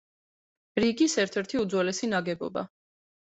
რიგის ერთ-ერთი უძველესი ნაგებობა.